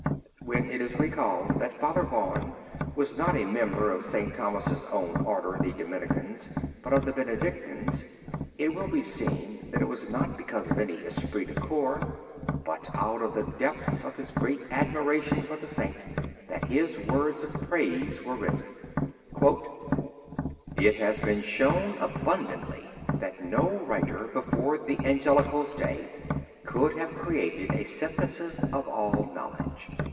When it is recalled that Father Vaughan was not a member of St. Thomas's own order, the Dominicans, but of the Benedictines, it will be seen that it was not because of any esprit de corps, but out of the depths of his great admiration for the saint, that his words of praise were written: "It has been shown abundantly that no writer before the Angelical's day could have created a synthesis of all knowledge.